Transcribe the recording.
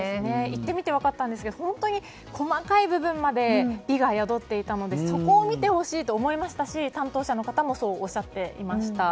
行ってみて分かったんですが本当に細かい部分まで美が宿っていたのでそこを見てほしいと思いましたし、担当者の方もそうおっしゃっていました。